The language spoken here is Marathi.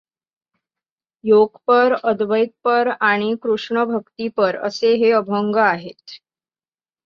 योगपर, अद्वैतपर आणि कृष्णभक्तिपर असे हे अभंग आहेत.